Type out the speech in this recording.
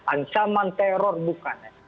ancaman teror bukan